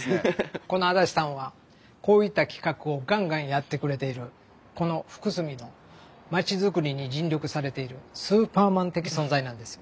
この安達さんはこういった企画をガンガンやってくれているこの福住の町づくりに尽力されているスーパーマン的存在なんですよ。